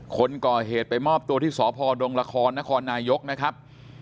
คนก่อเหตุไปมอบตัวที่สพดงละครนครนายกนะครับ